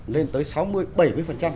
nên tới số này là quá lớn